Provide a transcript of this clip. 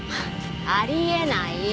あり得ない！